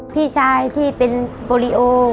พี่ชายที่เป็นโปรลิโอ